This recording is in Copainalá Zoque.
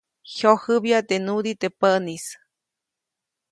Jyojäbya teʼ nudiʼ teʼ päʼnis.